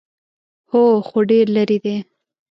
_هو، خو ډېر ليرې دی.